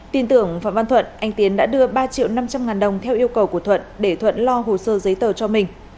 tin tưởng phạm văn thuận anh tiến đã đưa ba triệu năm trăm linh ngàn đồng theo yêu cầu của thuận để thuận lo hồ sơ giấy tờ cho mình